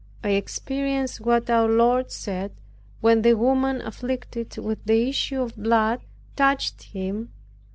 I experienced what our Lord said, when the woman afflicted with the issue of blood touched him.